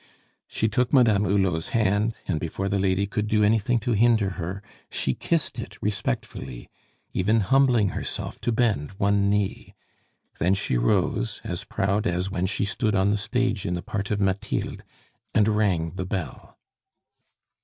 She took Madame Hulot's hand and before the lady could do anything to hinder her, she kissed it respectfully, even humbling herself to bend one knee. Then she rose, as proud as when she stood on the stage in the part of Mathilde, and rang the bell.